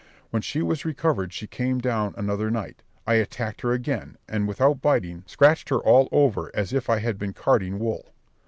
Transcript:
When she was recovered, she came down another night: I attacked her again; and without biting, scratched her all over as if I had been carding wool.